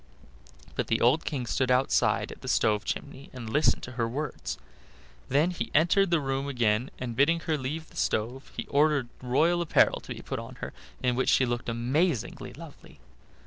But the old King stood outside at the stove chimney, and listened to her words. Then he entered the room again, and bidding her leave the stove, he ordered royal apparel to be put on her, in which she looked amazingly lovely.